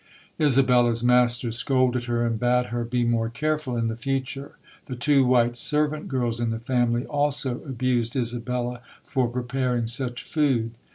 Isabella's mas ter scolded her and bade her be more careful in the future. The two white servant girls in the family also abused Isabella for preparing such food.